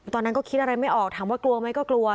ตอนนั้นก็คิดอะไรไม่ออกถามว่ากลัวไหมก็กลัว